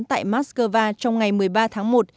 tại moscow trong ngày một mươi ba tháng một